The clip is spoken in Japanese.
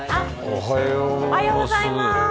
おはようございます。